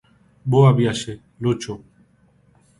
Boa viaxe, Lucho.